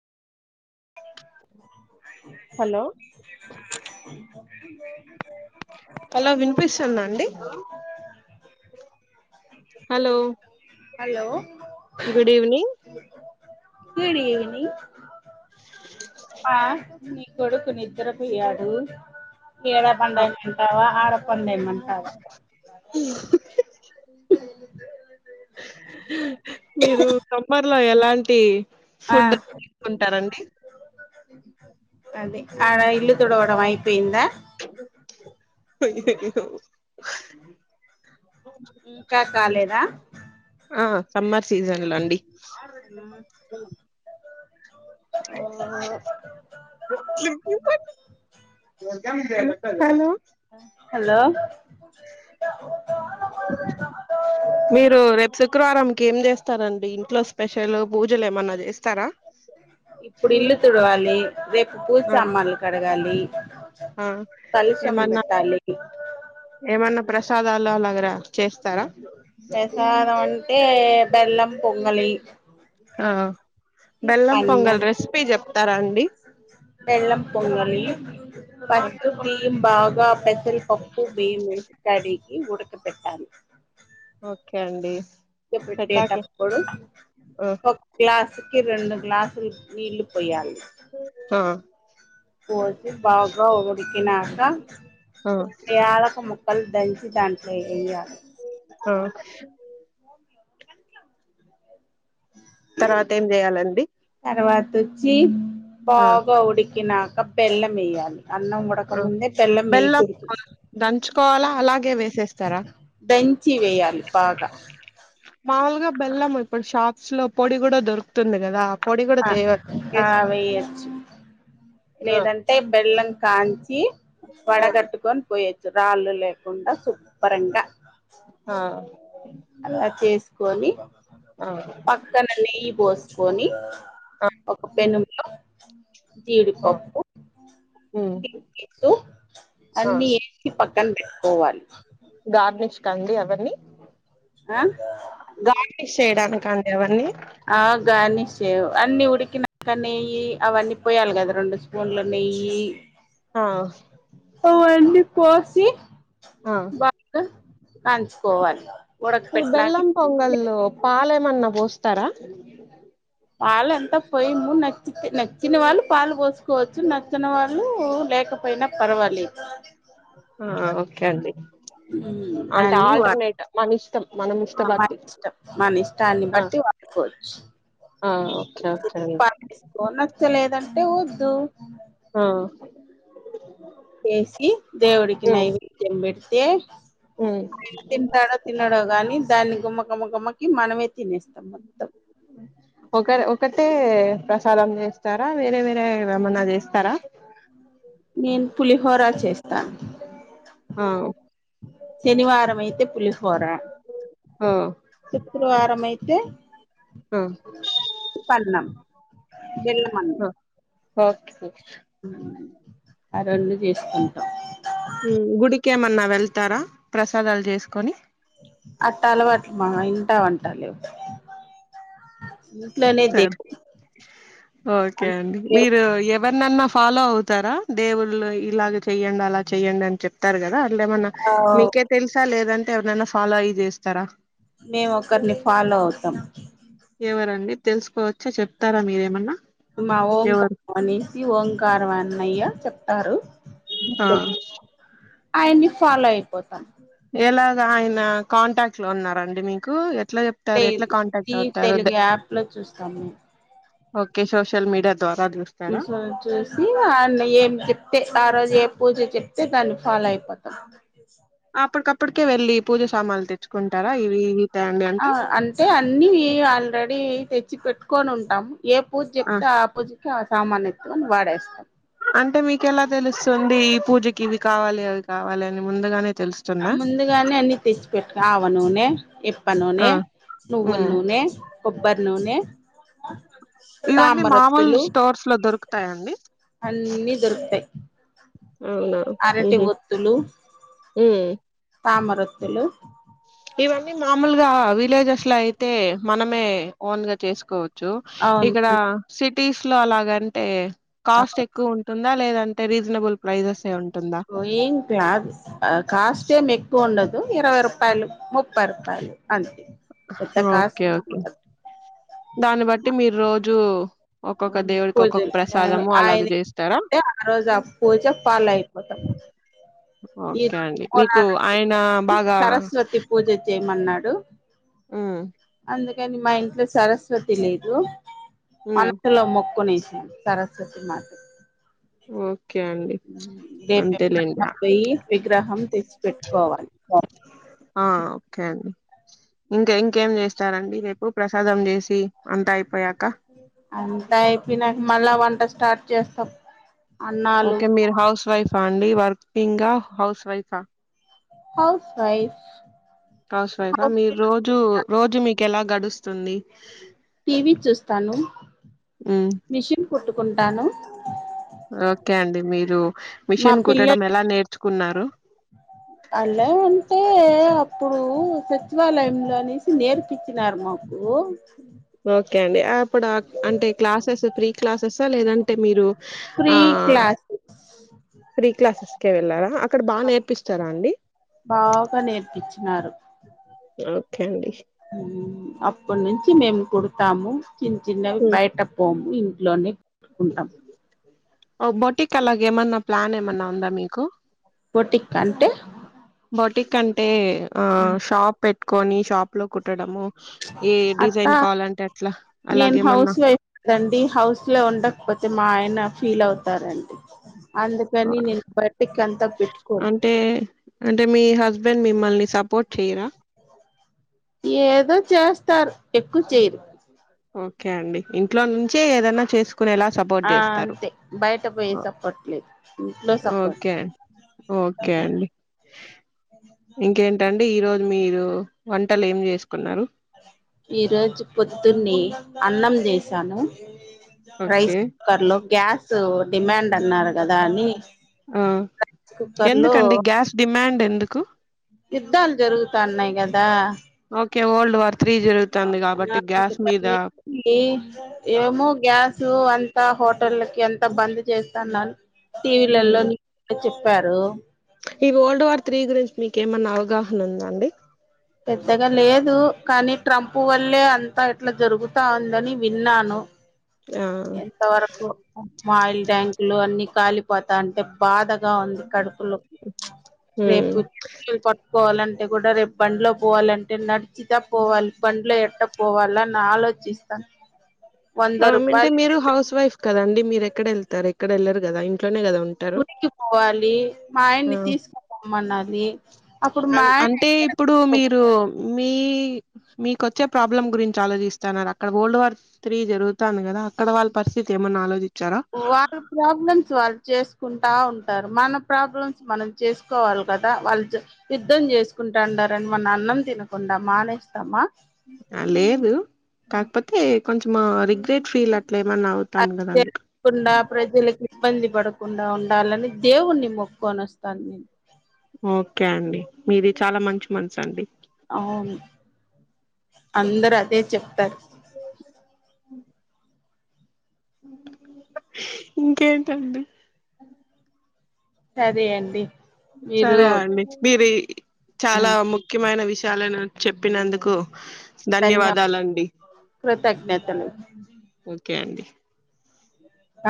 Hello [unintelligible] hello వినిపిస్తుందా అండి hello hello good evening good evening పా నీ కొడుకు నిద్రపోయాడు ఈడ పండేయమంటావా ఆడ పండేయమంటావా [unintelligible] [unintelligible] మీరు సమ్మర్ లో ఎలాంటి ఆ ఫుడ్ తీసుకుంటారండి అదే ఆడ ఇల్లు తుడవడం అయిపోయిందా అయ్యయ్యో ఇంకా కాలేదా ఆ సమ్మర్ సీజన్ లో అండి ఓ హలో హలో మీరు రేపు శుక్రవారం కి ఏం చేస్తారంండి ఇంట్లో స్పెషల్ పూజలు ఏమన్నా చేస్తారా ఇప్పుడు ఇల్లు తుడవాలి రేపు ఆ పూజసామాన్లు కడగాలి ఆ కలశం ఏమన్నా పెట్టాలి ఏమన్నా ప్రసాదలు అలగ ప్రసాదం అంటే బెల్లం పొంగలి ఆ బెల్లం పన్నం పొంగల్ రెసిపీ చెప్తారా అండి బెల్లం పొంగలి ఫస్ట్ బియ్యంబాగా పెసల్ పప్పు బియ్యం వేసి కడిగి ఉడకబెట్టాలి ఓకే అండి పెట్టాకే పెట్టేటప్పుడు ఆ ఒక గ్లాస్ ఒకటికి రెండు గ్లాసులు నీళ్ళు పోయాలి ఆ ఓసి బాగా ఉడికినాక ఆ యాలకుల మొక్ కల్ దంచి దాంట్లో వేయాలి ఆ తర్వాత ఏం చేయాలండి తర్వాత ఆ బాగా ఉడికినాక బెల్లం వేయాలి అన్నం ఆ ఉడకముందే బెల్లం మేయకుడదు దంచుకోవాలా అలాగే వేసేస్తారా దంచి వయ్యాలి బాగా మాముూలుగా బెల్లం ఇప్పుడు షాప్స్ లో పొడి కూడా దొరుకుతుంది కదా పొడి కూడా ఆ తేవ ఆ వయచ్చు ఆ లేదంటే బెల్లం కాని ఆ వడగట్టుకొని పోయొచ్చు రాళ్ళు లేకుండా చుకొన్ని ఆ అలా చేసుకొని ఆ పక్కన నెయ్యి పోసుకొని ఆ ఒక పెనుము లో జి ఆ డిపప్పు ఉమ్ [inaudible] ఆ న్ని వేసి పక్కన పెట్టుకోవాలి గార్నిష్ కండి అవన్నీ ఆ గార్నిష్ చేయడానిక అండి అవన్నీ ఆ గార్నిష్ సేవు అన్ని ఉడికినాక నేయి అవన్నీ పోయాలి కదా రెండు స్పూన్లుని నేయి ఆ అవన్ని పోసి ఆ కంచుకోవాలి ఈ బెల్లం పొంగాల్లో పాలేమన్నా పోస్తారా పాలు ఎంతా పోయ్యము నచ్చి నచ్చిన వాళ్ళు పాలు పోసుకోవచ్చు నచ్చని వాళ్ళు లేక లేకపోయినా పర్వాలేదు ఆ ఓకే అండి అంటే దాన్ని వా ఆల్టర్నేట్ మన ఇష్టం మనం మన ఇష్టపట్టి ఇష్టం మన ఇష్టాన్ని ఆ బట్టి వాడుకోవచ్చు ఆ ఓకే ఓకే అండి లేదంటే వద్దు ఆ చేసి దేవుడికి ఉమ్ నైవేద్యం పెడితే ఉమ్ తింటాడా తినడో కాని దాన్ని గుమ్మగుమ్మ గుమ్మకి మనమే తినేస్తాం మొత్తం ఒక ఒక్కటే ప్రసాదం చేస్తారా వేరే వేరే ఏమన్నా చేస్తారా పులిహోరా చేస్తాను ఆ శనివారం అయితే పులిహో పోరా ఆ శుక్రవారం అయితే ఆ అన్నం బెల్లం అన్నం ఆ ఓకే ఆ రెండు చేసుకుంటాం కేమన్నా వెళ్తారా ప్రసాదాలు చేసుకొని అట్ట అలవాట్లు మా ఇంటా వంటాలెవ్ సరే ఓకే అండి మీరు ఎవరు న్నన్న ఫాలో అవుతారా దేవుళ్ళు ఇలాగ చెయ్యండి అలా చెయ్యడి అని చెప్తారు కదా లేమన్నా మీకే తెలుసా లేదంటే ఎవరైనా ఫాలో అయి చేస్తారా మేము ఒకరిని ఫాలో అవుతాం ఎవరండి తెలుసుకోవచ్చా చెప్తారా మీరేమన్నా మా ఓంకా ఎవరు అనేసి ఓంకారం అన్నయ్య చెప్తారు ఆ ఆయన్ని ఫాలో అయిపోతాం ఎలాగా ఆయన కాంటాక్ట్ లో ఉన్నరండి మీకు ఎట్ల చెపుతారు ఎట్లా లేదు కాంటాక్ట్ జీ అవుతారు తెలుగు యాప్ లో చూస్తాం ఓకే సోషల్ మీడియా ద్వారా చూస్తారా చూసి వచ్చేసి ఆయన ఏం చెప్తే ఆ రోజు ఏ పూజ చెప్ తే దాన్ని ఫాలో అయిపోతం అప్పటికప్పుటికే వెల్లి పూజ సామాన్లు తెచ్చుకుంటారా ఇవి ఆ అంటే అన్ని ఆల్రెడీ తెచ్చి పెట్టుకొని ఉంటాము ఏ పూజ చెప్తే ఆ పూజకి ఆ సామాన్లతోని వాడేస్తాం అంటే మీకు ఎలా తెలుస్తుంది ఈ పూజకి ఇవి కావాలి అవి కావాలి అని ముందుగానే ఆ తెలుస్తుందా ముందుగానే అన్ని తెచ్చి పెట్టు ఆవ నూనె ఇప్ప నూనె ఆ నువ్వూల్ ఉమ్ నూనె కొబ్బర్ నూనె ఇవన్నీ మామూలు తామరొత్తులు స్టోర్స్ లో దొరుకుతాయండి అన్నీ దొరుకుతాయి అవునా అరటి ఉహు ఉమ్ తామరఒత్తులు ఇవన్నీ మామూలుగా విలేజెస్ లో అయితే మనమే ఓన్ గా చేసుకోవ చ్చు అవును ఇక్కడ సిటీస్ లో అలాగంటే కాస్ట్ ఎక్కువ ఉంటుందా లేద ఉంటే రీజనబుల్ ప్రైజెస్ ఏ ఉంటుందా ఏం క్లా కాస్ట్ ఏం ఎక్కువ ఉండదు ఉ ఇరవై రుపాయలు ముప్పై రుపాయలు హ్హ ఒక్కే ఓకే దాన్ని బట్టి మీర్రోజూ పూజలు అలాగ ఆయన చేస్తారా ఆ రోజు పూజ ఫాలో అయిపోతాం ఈ ఓకే రోజు అండి మీకు పూజారి ఆయన బాగా సరస్వతీ పూజ చేయమన్నాడు డు ఉ అందుకని మా ఇంట్ల సరస్వతి లేదూ మ్మ్ మొక్కొనేసి సరస్వతీ మాతకి ఉ నేను ఎప్పుడన్నా పోయి విగ్రహం పెట్టుకోవాలి ఆ ఒకే అండి ఇంకా ఇంకేం చేస్తారండి రేపు ప్రసాదం చేసి అంతా అయిపోయా నైట్ తిన్నాక మళ్ళా వంట స్టార్ట్ చేస్తం ఓకే మీరు హౌస్ వైఫా అండి వర్కింగా హౌస్ వైఫా హౌస్ వైఫ్ హౌస్ వైఫ్ ఆ మీరు రోజు రోజు మీకు ఎలా గడుస్తుంది టీవీ చూస్తాను మ్మ్ మిషన్ కుట్టుకుంటాను ఓకే అండి మీరు మా మిషన్ కుట్టడం పిల్లలు ఎలా నేర్చుకున్నారు ఎల్లా అంటే అప్పుడు సచివాలయంలో అనేసి నేర్పచ్చినారు మాకు ఓ ఓకే అండి అప్పుడు అంటే క్లాసెస్ ప్రీ క్లాసెస్సా లేదంటే మీరు ఆ ఫ్రీ క్లాసెస్ ఫ్రీ క్లాసెస్క ఏ వెళ్ళారా అక్కడ బాగా నేర్పిస్తారా అండి బాగా నేర్పించినారు ఓకే అండి అప్పటి నుంచి మేము కుడతాము చిన్న చిన్నవి హ్మ్. బయట పోము ఇంట్లోనే కుట్టుకుంటాము బోటిక్ అలా ఏం అన్న ప్లాన్ ఏమన్నా ఉందా మీకు బొటిక్ అంటే బోటిక్ అంటే ఆ షాప్ పెట్టుకొని షాప్ లో కుట్టడము ఏ డిజైన్ అట్టా కావాలంటే అట్లా నేను అలాగేమన్నా హౌస్ వైఫ్ కదండి హౌస్ లో కాకపోతే మా ఆయన ఫీల్ అవుతారండి అందుకని నేను బటిక్ అంతా పెట్టుకోను అంటే అంటే మీ హస్బెండ్ మిమ్మల్ని సపోర్ట్ చేయరా ఏదో చేస్తారు ఎక్కువ చేయరు ఓకే అండి ఇంట్లో నుంచే ఏదైనా చేసు ని ఎలా సపోర్ట్ ఆ చేస్తారు అంతే బయట పోయి సపోర్ట్లేదు ఇంట్లో సపోర్ట్ ఓకే అండి ఓకే అండి ఇంకేంటండి ఈరోజు మీరు వంటలు ఏం చేసుకున్నారు ఈరోజు పొద్దున్నే అన్నం చేశాను ఓకే రైస్ కుక్కర్ లో గ్యాస్ డిమాండ్ అన్నారు కదా అని ఆ కుక్కర్ లో ఎందుకండి గ్యాస్ డిమాండ్ ఎందుకు యుద్ధాలు జరుగుతాన్నాయి కదా ఓల్డ్ వార్ త్రీ జరుగుతుంది కాబట్టి గ్యాస్ మీద ఏమో గ్యాసు అం తా హోటల్కి అంతా బంద్ చేస్తానని టీవీలలో న్యూస్లో చెప్పారు ఈ వరల్డ్ వార్ త్రీ గురించి మీక ఏమన్నా అవగాహన ఉందా అండి పెద్దగా లేదు కానీ ట్రంప్ వల్లే అంతా ఇట్లా జరుగుతా ఉందని విన్నాను ఆ ఎంత వరకు ఆయిల్ ట్యాంకులు అన్ని కాలిపోతా అంటే బాధ గా ఉంది కడుపులు హ్మ్ రేపు పట్టుకోవాలంటే కూడా రేపు బండ్లో పోవాలంటే నడిచితా పోవాలి బండ్లో ఎట్ట పోవాల అని ఆలోచిస్తాను అ అంటే మీరు హౌస్ వైఫ్ కదండి మీరు ఎక్కడ వెళ్తారు ఎక్కడ వెళ్ళరు కదా ఇట్లోనే కదా ఉంటారు గుడికి పోవాలి మా ఆ ఆయన్నీ తీసుకుపొమ్మనాలి అప్పుడు మా ఆయన ఎక్కడకు మీకు మీకోచ్చే ప్రాబ్లం గురించి ఆలోచిస్తన్నార అక్కడ ఓల్డ్ వార్ త్రి జరుగుతంది కదా అక్కడ వాళ్ళ పరిస్థితి ఏమన్నా ఆలోచి వాళ్ళ ప్రాబ్లమ్స్ వాల్ చేసుకుంటా ఉంటారు మన ప్రాబ్లమ్స్ మనం చేసుకోవాలి కదా వాళ్ళు యుద్ధం చేసుకు ఉంటండారని మన అన్నం తినకుండా మానేస్తామా ఆ లేదు కాకపోతే కొంచం రిగ్రెట్ ఫీల్ అ ట్ల ఏమన్నా అది అవుతాం కద అందుకు జరగకుండా ప్రజలకు ఇబ్బంది పడకుండా ఉండాలని దేవుణ్ణి మొక్కొని వస్తాను నేను ఓకే అండి మీది చాలా మంచి మనసు అండి అవును అందరు అదే చెప్తారు అ ఇంకేంటండి సరే అండి మీరు సరే అండి మీది ఆ చాలా ముఖ్యమైన విషయాలను చెప్పినందుకు ధన్య ధన్యవాదాలండి కృతజ్ఞతలు ఓకే అండి ఆ